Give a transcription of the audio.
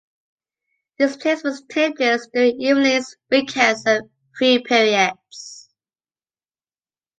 These placements take place during evenings, weekends and free periods.